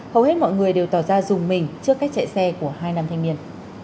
hầu hết mọi người đều tỏ ra dùng mình trước cách chạy xe của hai nam thanh niên